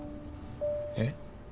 えっ？